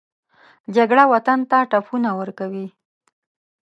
جګړه وطن ته ټپونه ورکوي